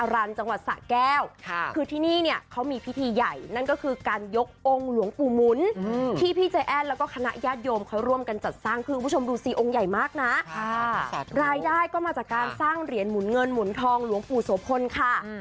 รายได้ก็คณะก็มาจากการสร้างเหรียญหมุนเงินหมุนทองหลวงปู่โสพลค่ะ